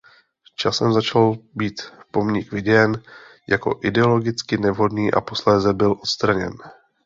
Časem začal být pomník viděn jako „ideologicky nevhodný“ a posléze byl odstraněn.